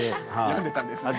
病んでたんですね。